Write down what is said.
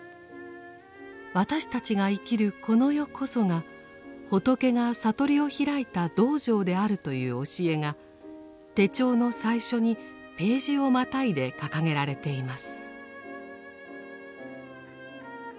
私たちが生きるこの世こそが仏が悟りを開いた道場であるという教えが手帳の最初にページをまたいで掲げられています。